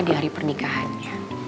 di hari pernikahannya